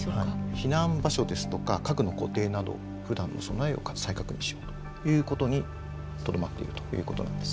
避難場所ですとか家具の固定などふだんの備えを再確認しようということにとどまっているということなんです。